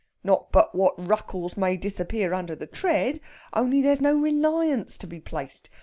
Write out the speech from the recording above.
Not but what ruckles may disappear under the tread, only there's no reliance to be placed.